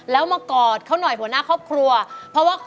ยังไงเอาแน่นก่อนกันอีก